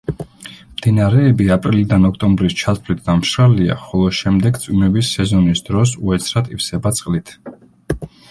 მდინარეები აპრილიდან ოქტომბრის ჩათვლით დამშრალია, ხოლო შემდეგ წვიმების სეზონის დროს უეცრად ივსება წყლით.